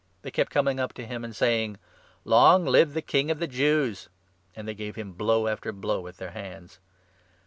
They kept coming up to him and 3 saying :" Long live the King of the Jews !" and they gave him blow after blow with their hands.